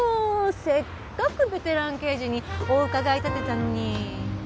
せっかくベテラン刑事にお伺い立てたのに。